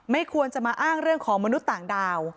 ไม่ควรจะมาอ้างเรื่องของมนุษย์ต่างดาว